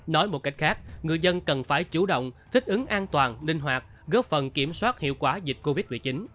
nói một cách khác người dân cần phải chủ động thích ứng an toàn linh hoạt góp phần kiểm soát hiệu quả dịch covid một mươi chín